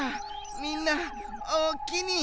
みんなおおきに。